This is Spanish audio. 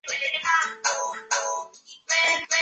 Aprovechó su experiencia como soldador en Harland y Wolff.